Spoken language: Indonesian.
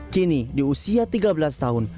kini di usia tiga belas tahun